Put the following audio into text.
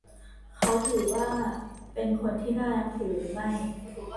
เขาถือว่าเป็นคนที่น่านับถือหรือไม่ ?